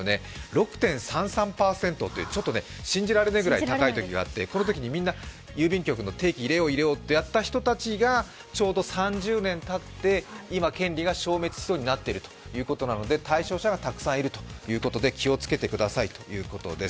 ６．３３％という、ちょっと信じられないぐらい高いときがあって、このときにみんな、郵便局の定期入れよう入れようってなった人たちがちょうど３０年たって今、権利が消滅しそうになっているということで対象者がたくさんいるということで気をつけてくださいということです。